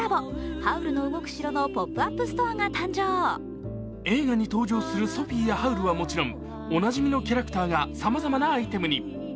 「ハウルの動く城」のポップアップストアが登場映画に登場するソフィーやハウルはもちろんおなじみのキャラクターがさまざまなアイテムに。